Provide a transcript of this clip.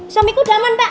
suamiku udah aman pak